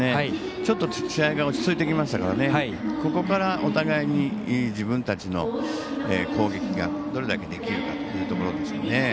ちょっと試合が落ち着いてきましたからここからお互いに自分たちの攻撃がどれだけできるかというところでしょうかね。